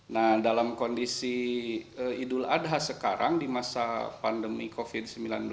nah dalam kondisi idul adha sekarang di masa pandemi covid sembilan belas